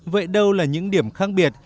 vậy đâu là những điểm khác biệt